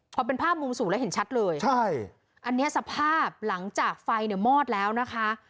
เพราะเป็นภาพมุมสูงแล้วเห็นชัดเลยนะครับอันนี้สภาพหลังจากไฟมอดแล้วนะคะ